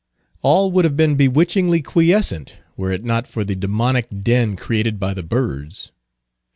All would have been bewitchingly quiescent, were it not for the demoniac din created by the birds.